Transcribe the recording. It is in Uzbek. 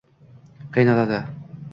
Qiynaladi